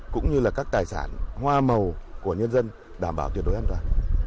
cũng như là các tài sản hoa màu của nhân dân đảm bảo tuyệt đối an toàn